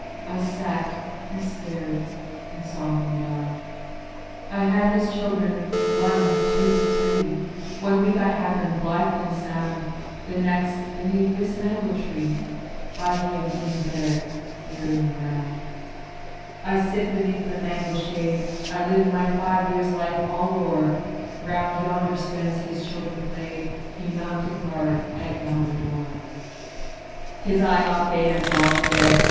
I sat, and stared, and saw him die. I had his children one, two, three. One week I had them, blithe and sound. The next beneath this mango tree, By him in barrack burying ground. I sit beneath the mango shade; I live my five years' life all o'er Round yonder stems his children played; He mounted guard at yonder door. 'Tis I, not they, am gone and dead.